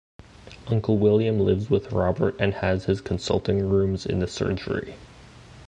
Uncle William lives with Robert and has his consulting rooms in the surgery.